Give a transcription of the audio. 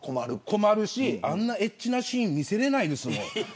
困るし、あんなエッチなシーン見せられないですよ。